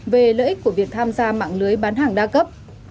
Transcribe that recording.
về lợi ích của việc tham gia mạng lưới bán hàng đa cấp